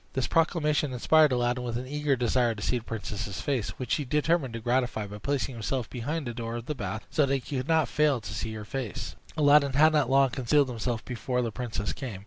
This proclamation inspired Aladdin with an eager desire to see the princess's face, which he determined to gratify by placing himself behind the door of the bath, so that he could not fail to see her face. Aladdin had not long concealed himself before the princess came.